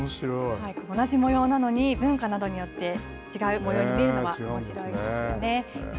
同じ模様なのに文化などによって違う模様に見えるのがおもしろいですね。